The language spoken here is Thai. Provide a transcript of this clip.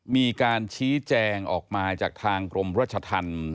มีการชี้แจงออกมาจากทางกรมรัชธรรม